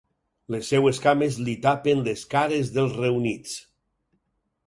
Les seves cames li tapen les cares dels reunits.